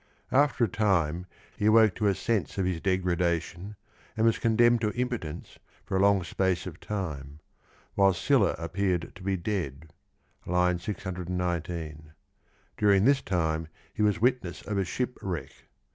After a time he awoke to a sense of his degradation, and was condemned to impotence for a long space of time, while Scylla appeared to be dead (619). During this time he was witness of a shipwreck.